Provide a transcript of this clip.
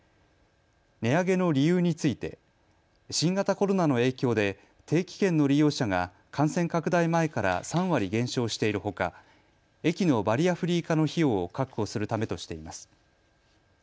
値上げの理由について新型コロナの影響で定期券の利用者が感染拡大前から３割減少しているほか駅のバリアフリー化の費用を確保するためとしています。